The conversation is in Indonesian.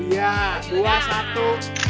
ya dua satu